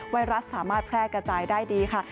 ไวรัสสามารถแพร่กระจายได้ดีค่ะ